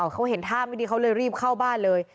เขาเห็นท่าไม่ดีเขาเลยรีบเข้าบ้านเลย